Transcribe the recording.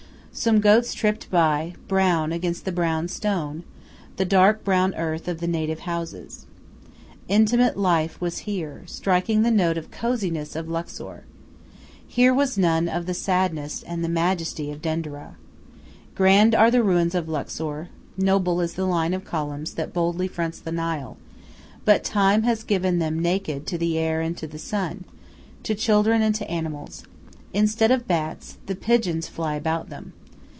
Some goats tripped by, brown against the brown stone the dark brown earth of the native houses. Intimate life was here, striking the note of coziness of Luxor. Here was none of the sadness and the majesty of Denderah. Grand are the ruins of Luxor, noble is the line of columns that boldly fronts the Nile, but Time has given them naked to the air and to the sun, to children and to animals. Instead of bats, the pigeons fly about them.